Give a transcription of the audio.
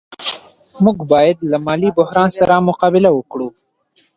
موږ باید له مالي بحران سره مقابله وکړو.